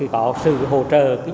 có sự hỗ trợ